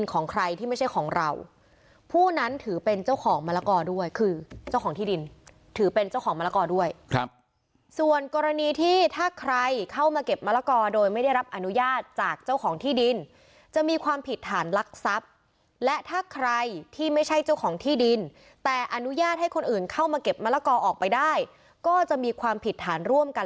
ของใครที่ไม่ใช่ของเราผู้นั้นถือเป็นเจ้าของมะละกอด้วยคือเจ้าของที่ดินถือเป็นเจ้าของมะละกอด้วยครับส่วนกรณีที่ถ้าใครเข้ามาเก็บมะละกอโดยไม่ได้รับอนุญาตจากเจ้าของที่ดินจะมีความผิดฐานลักทรัพย์และถ้าใครที่ไม่ใช่เจ้าของที่ดินแต่อนุญาตให้คนอื่นเข้ามาเก็บมะละกอออกไปได้ก็จะมีความผิดฐานร่วมกัน